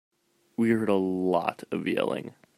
We heard a lot of yelling.